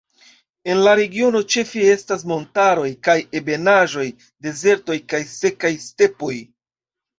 En la regiono ĉefe estas montaroj kaj ebenaĵoj, dezertoj kaj sekaj stepoj.